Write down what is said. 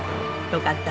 よかった。